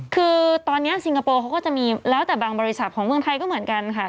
คือตอนนี้ซิงคโปร์เขาก็จะมีแล้วแต่บางบริษัทของเมืองไทยก็เหมือนกันค่ะ